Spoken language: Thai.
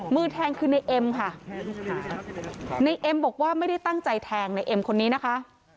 มือแทงคือในเอ็มค่ะในเอ็มบอกว่าไม่ได้ตั้งใจแทงในเอ็มคนนี้นะคะ